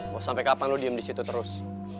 mau sampai kapan lo diem disitu terus